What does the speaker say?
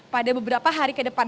pada beberapa hari ke depan